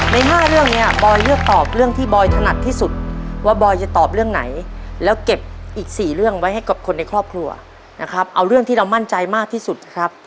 ใน๕เรื่องเนี่ยบอยเลือกตอบเรื่องที่บอยถนัดที่สุดว่าบอยจะตอบเรื่องไหนแล้วเก็บอีก๔เรื่องไว้ให้กับคนในครอบครัวนะครับเอาเรื่องที่เรามั่นใจมากที่สุดนะครับ